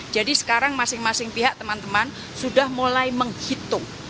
jadi sekarang masing masing pihak teman teman sudah mulai menghitung